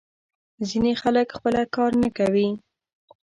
ځینې خلک خپله کار نه کوي.